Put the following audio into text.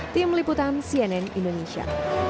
tim liputan cnn indonesia